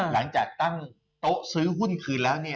หลังจากตั้งโต๊ะซื้อหุ้นคืนแล้ว